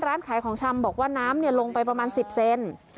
ร้านขายของชำบอกว่าน้ำลงไปประมาณ๑๐เซน